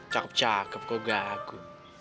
cakep cakep kok gak aku